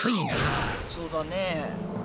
そうだね。